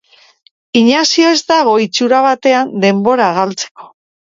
Inaxio ez dago, itxura batean, denbora galtzeko.